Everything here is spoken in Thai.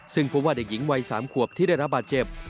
ซึ่งพบว่าเด็กหญิงวัย๓ขวบที่ได้รับบาดเจ็บ